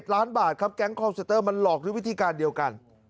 ล้านบาทครับแก๊งคอมเซนเตอร์มันหลอกด้วยวิธีการเดียวกัน